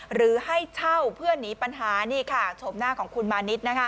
หรือให้เช่าเพื่อหนีปัญหานี่ค่ะโฉมหน้าของคุณมานิด